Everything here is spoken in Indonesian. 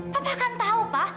papa kan tahu pa